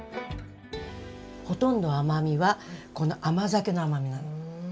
ほとんど甘みはこの甘酒の甘みなの。